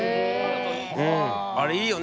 あれいいよね